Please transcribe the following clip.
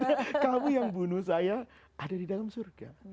tapi kamu yang membunuh saya ada di dalam surga